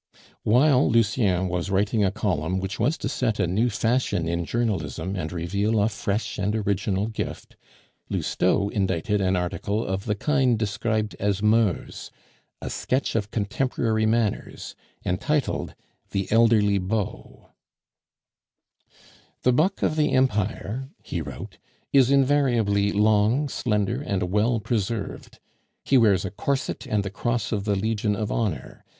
While Lucien was writing a column which was to set a new fashion in journalism and reveal a fresh and original gift, Lousteau indited an article of the kind described as moeurs a sketch of contemporary manners, entitled The Elderly Beau. "The buck of the Empire," he wrote, "is invariably long, slender, and well preserved. He wears a corset and the Cross of the Legion of Honor.